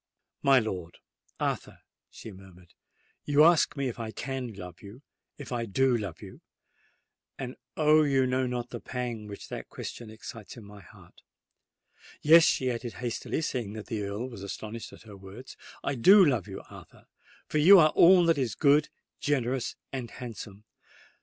"My lord—Arthur," she murmured, "you ask me if I can love—if I do love you:—and, oh! you know not the pang which that question excites in my heart! Yes," she added hastily, seeing that the Earl was astonished at her words, "I do love you, Arthur—for you are all that is good, generous, and handsome!